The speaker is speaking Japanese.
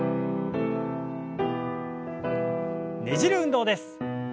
ねじる運動です。